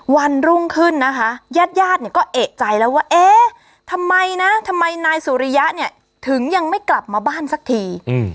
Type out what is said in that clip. วันรุ่งขึ้นนะคะญาติญาติเนี่ยก็เอกใจแล้วว่าเอ๊ะทำไมนะทำไมนายสุริยะเนี่ยถึงยังไม่กลับมาบ้านสักที